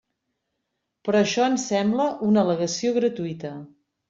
Però això ens sembla una al·legació gratuïta.